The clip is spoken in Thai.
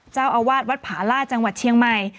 เจ้าอาวาสวัดผาล่าจังหวัดเชียงใหม่